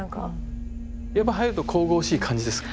やっぱ入ると神々しい感じですか？